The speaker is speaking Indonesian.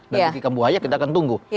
dan ricky kamboja kita akan tunggu